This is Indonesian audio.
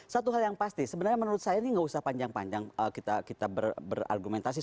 satu hal yang pasti sebenarnya menurut saya ini nggak usah panjang panjang kita berargumentasi